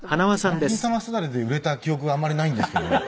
南京玉すだれで売れた記憶があんまりないんですけどね。